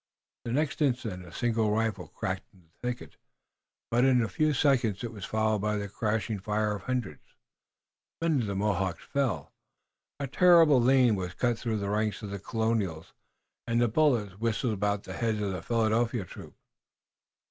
The next instant a single rifle cracked in the thicket, but in a few seconds it was followed by the crashing fire of hundreds. Many of the Mohawks fell, a terrible lane was cut through the ranks of the Colonials, and the bullets whistled about the heads of the Philadelphia troop.